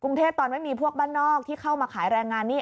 เทศตอนไม่มีพวกบ้านนอกที่เข้ามาขายแรงงานนี่